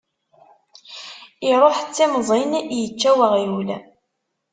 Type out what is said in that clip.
Iruḥ d timẓin yečča uɣyul.